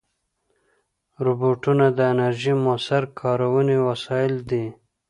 روبوټونه د انرژۍ مؤثره کارونې وسایل دي.